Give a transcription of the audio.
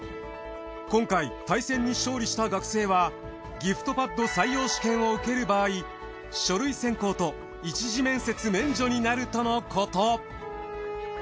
今回対戦に勝利した学生はギフトパッド採用試験を受ける場合書類選考と一次面接免除になるとのこと。